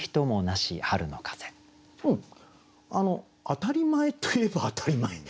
当たり前といえば当たり前。